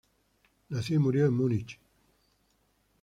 Nació y murió en Múnich.